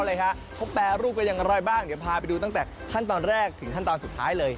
เลยค่ะเขาแปรลูกกันยังอร่อยบ้างในภายไปดูตั้งแต่ที่ี่ถึงทั้งตอนสุดท้ายเลย